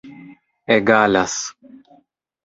egalas